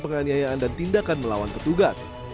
penganiayaan dan tindakan melawan petugas